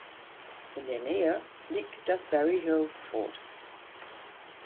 In der Nähe liegt das Berry Hill Fort.